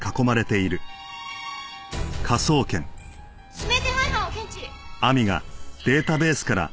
指名手配犯を検知！